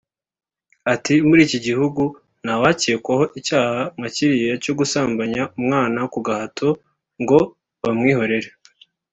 Ati ’Muri iki gihugu ntawakekwaho icyaha nka kiriya cyo gusambanya umwana ku gahato ngo bamwihorere